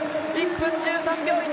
１分１３秒１９！